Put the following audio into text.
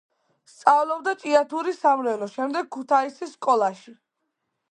სწავლობდა ჭიათურის სამრევლო, შემდეგ ქუთაისის სკოლაში.